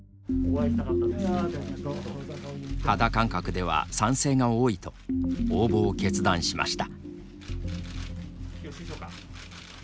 肌感覚では賛成が多いと応募を決断しました。